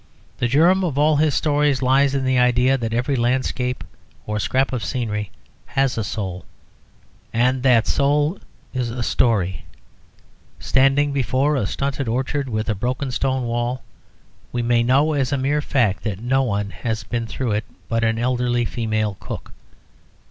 The germ of all his stories lies in the idea that every landscape or scrap of scenery has a soul: and that soul is a story. Standing before a stunted orchard with a broken stone wall, we may know as a mere fact that no one has been through it but an elderly female cook.